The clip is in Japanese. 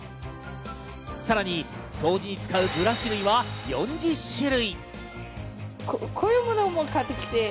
さらに掃除に使うブラシ類は４０種類。